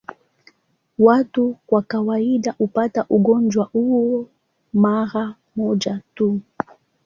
Watu kwa kawaida hupata ugonjwa huu mara moja tu.